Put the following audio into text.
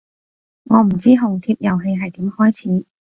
我唔知紅帖遊戲係點開始